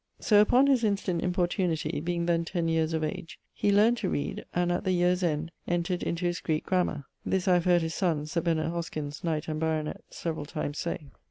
So, upon his instant importunity, being then ten yeares of age, he learned to reade, and, at the yeare's end, entred into his Greeke grammar. This I have heard his sonne, Sir Benet Hoskyns, knight and baronett, severall times say.